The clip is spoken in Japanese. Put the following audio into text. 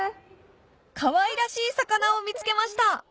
かわいらしい魚を見つけました